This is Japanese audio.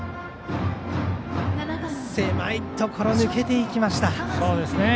狭いところを抜けていきました。